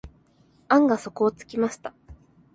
案が底をつきました。